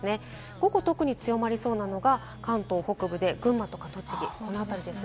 午後、特に強まりそうなのが関東北部で、群馬とか栃木、この辺りです。